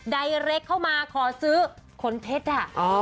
ใดเล็กเข้ามาขอซื้อขนเพชรอ่ะ